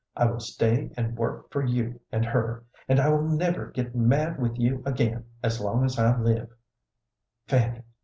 I will stay and work for you and her. And I will never get mad with you again as long as I live, Fanny.